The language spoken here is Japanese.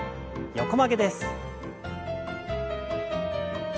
横曲げです。